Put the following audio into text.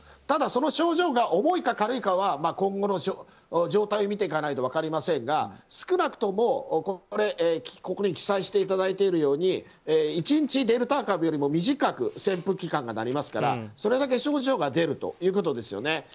ただ、その症状が重いか軽いかは今後の状態を見ていかないと分かりませんが少なくとも、ここに記載していただいているように１日、デルタ株よりも短く潜伏期間がなりますからそれだけ症状が出るということですよね。